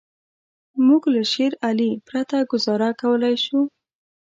موږ له شېر علي پرته ګوزاره کولای شو.